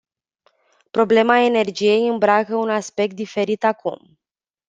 Problema energiei îmbracă un aspect diferit acum.